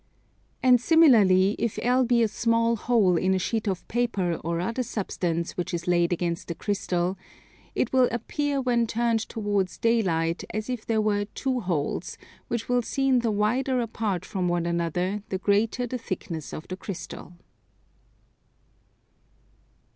And similarly if L be a small hole in a sheet of paper or other substance which is laid against the Crystal, it will appear when turned towards daylight as if there were two holes, which will seem the wider apart from one another the greater the thickness of the Crystal.